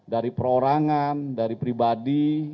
dari perorangan dari pribadi